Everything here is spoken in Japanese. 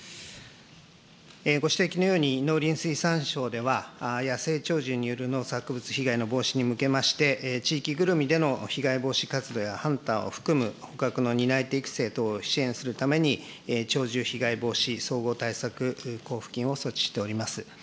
ご指摘のように、農林水産省では、野生鳥獣による農作物被害の防止に向けまして、地域ぐるみでの被害防止活動や、ハンターを含む捕獲の担い手育成等を支援するために、鳥獣被害防止総合対策交付金を措置しております。